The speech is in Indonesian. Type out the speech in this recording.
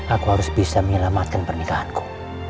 aku harus bisa menyelamatkan pernikahanku